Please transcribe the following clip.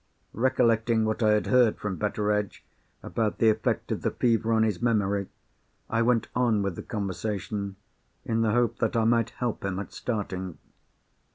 Recollecting what I had heard from Betteredge about the effect of the fever on his memory, I went on with the conversation, in the hope that I might help him at starting.